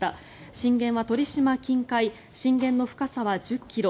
震源は鳥島近海震源の深さは１０ｋｍ。